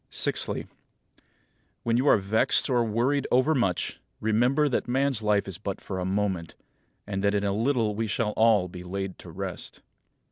Sixthly: When you are vexed or worried overmuch, remember that man's life is but for a moment, and that in a little we shall all be laid to rest.